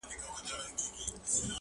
حقيقت د دود للاندي پټيږي تل,